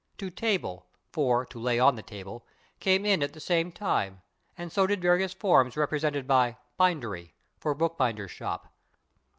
/To table/, for /to lay on the table/, came in at the same time, and so did various forms represented by /bindery/, for /bookbinder's shop